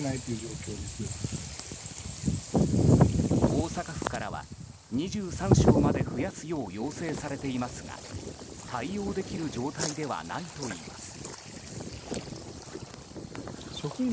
大阪府からは、２３床まで増やすよう要請されていますが対応できる状態ではないといいます。